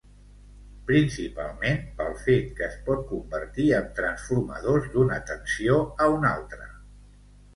Principalment, pel fet que es pot convertir amb transformadors d'una tensió a un altre.